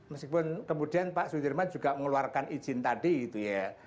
meskipun kemudian pak sudirman juga mengeluarkan izin tadi gitu ya